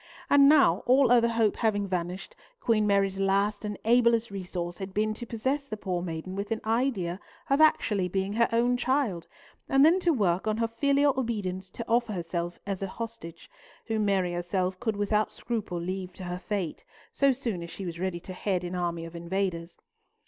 And now, all other hope having vanished, Queen Mary's last and ablest resource had been to possess the poor maiden with an idea of being actually her own child, and then to work on her filial obedience to offer herself as a hostage, whom Mary herself could without scruple leave to her fate, so soon as she was ready to head an army of invaders.